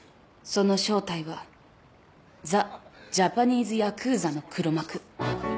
その正体はザ・ジャパニーズヤクーザの黒幕。